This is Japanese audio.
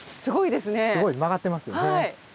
すごい曲がってますよね。